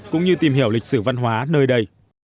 cũng như tìm hiểu lịch sử văn hóa nơi đây